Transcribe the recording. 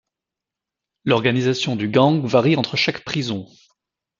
L'organisation du gang varie entre chaque prison.